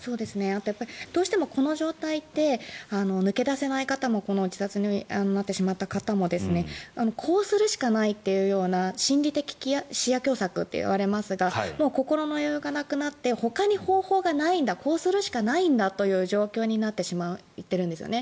どうしてもこの状態って抜け出せない方もこの自殺になってしまった方もこうするしかない心理的視野狭窄といわれますが心の余裕がなくなってほかに方法がないんだこうするしかないんだという状況になってしまっているんですよね。